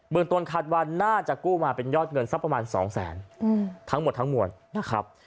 เมืองต้นคาดว่าน่าจะกู้มาเป็นยอดเงินสักประมาณ๒แสนทั้งหมดทั้งมวลนะครับ